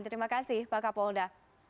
terima kasih pak kapolda